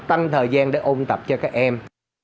tăng thời gian để ôn tập cho các em